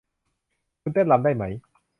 คุณเต้นรำได้มั้ย